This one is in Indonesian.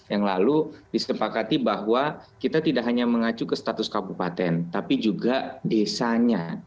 yang lalu disepakati bahwa kita tidak hanya mengacu ke status kabupaten tapi juga desanya